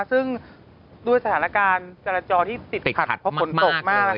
ซึ่งด้วยสถานการณ์จรรย์ที่ติดขัดมากเลย